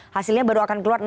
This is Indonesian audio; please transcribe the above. hasilnya baru akan keluar